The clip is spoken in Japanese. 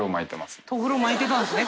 とぐろ巻いてたんですね